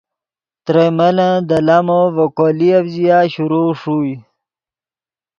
ترئے ملن دے لامو ڤے کولییف ژیا شروع ݰوئے۔